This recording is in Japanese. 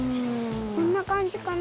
こんなかんじかな。